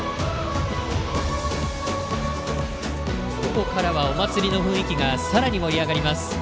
ここからはお祭りの雰囲気がさらに盛り上がります。